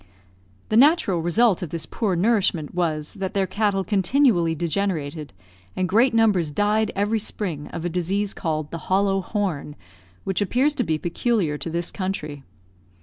The natural result of this poor nourishment was, that their cattle continually degenerated, and great numbers died every spring of a disease called the "hollow horn," which appears to be peculiar to this country.